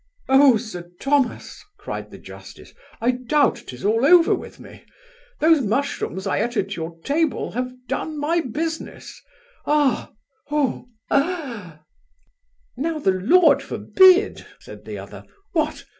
'Oh, Sir Thomas! (cried the justice) I doubt 'tis all over with me Those mushrooms I eat at your table have done my business ah! oh! hey!' 'Now the Lord forbid! (said the other) what!